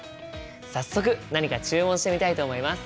早速何か注文してみたいと思います！